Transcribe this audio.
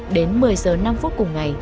đến một mươi giờ năm phút cùng ngày